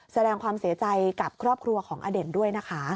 แสดงความเสียใจกับครอบครัวของอเด่นด้วยนะคะ